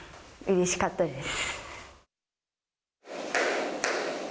うれしかったです。